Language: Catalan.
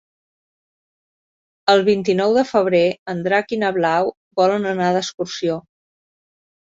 El vint-i-nou de febrer en Drac i na Blau volen anar d'excursió.